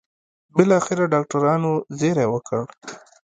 بالاخره ډاکټرانو زېری وکړ.